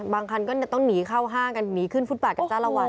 คันก็ต้องหนีเข้าห้างกันหนีขึ้นฟุตบาทกับจ้าละวัน